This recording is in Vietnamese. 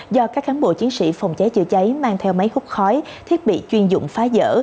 do các cán bộ chiến sĩ phòng cháy chữa cháy mang theo máy hút khói thiết bị chuyên dụng phá dỡ